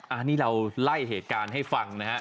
อันนี้เราไล่เหตุการณ์ให้ฟังนะฮะ